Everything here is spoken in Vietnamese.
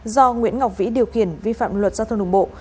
do nguyễn ngọc vĩ điều khiển vi phạm luật giao thông đồng bộ